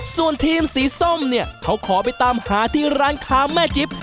ส่วนทีมสีส้มเนี่ยเขาขอไปตามหาที่ร้านค้าแม่จิ๊บ